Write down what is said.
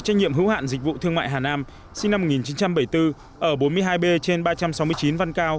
trách nhiệm hữu hạn dịch vụ thương mại hà nam sinh năm một nghìn chín trăm bảy mươi bốn ở bốn mươi hai b trên ba trăm sáu mươi chín văn cao